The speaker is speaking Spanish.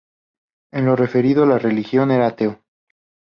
En lo referido a la religión, era ateo.